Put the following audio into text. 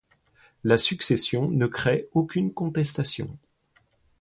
La succession ne crée aucune contestation.